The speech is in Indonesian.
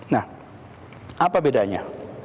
nah apa bedanya